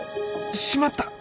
しまった！